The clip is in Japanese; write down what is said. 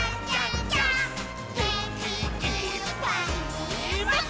「げんきいっぱいもっと」